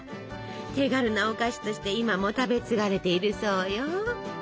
手軽なお菓子として今も食べ継がれているそうよ。